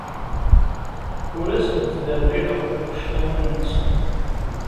Ur asen-ttderrireɣ tuccḍiwin-nsen.